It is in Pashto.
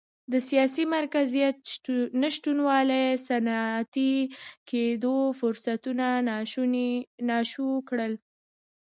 د سیاسي مرکزیت نشتوالي صنعتي کېدو فرصتونه ناشو کړل.